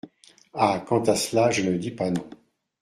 Ah ! quant à cela, je ne dis pas non.